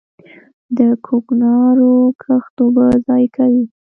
د کوکنارو کښت اوبه ضایع کوي.